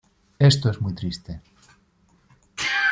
Esto es muy triste."".